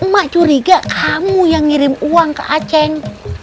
mak curiga kamu yang ngirim uang ke aceh